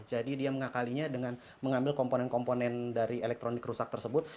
jadi dia mengakalinya dengan mengambil komponen komponen dari elektronik rusak tersebut